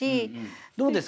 どうですか？